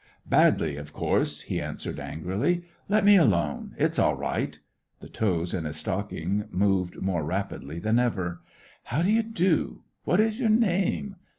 '*" Badly, of course," he answered, angrily. "Let me alone! it's all right," — the toes in his stocking moved more rapidly than ever. " How do you do t What is your name